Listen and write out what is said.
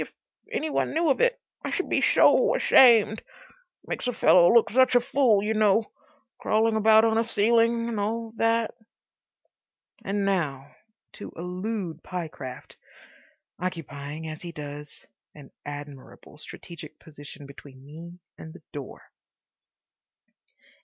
If any one knew of it—I should be so ashamed.... Makes a fellow look such a fool, you know. Crawling about on a ceiling and all that...." And now to elude Pyecraft, occupying, as he does, an admirable strategic position between me and the door.